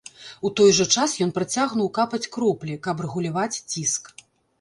У той жа час ён працягнуў капаць кроплі, каб рэгуляваць ціск.